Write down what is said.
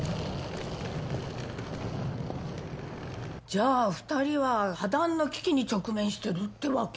じゃあ２人は破談の危機に直面してるってわけ？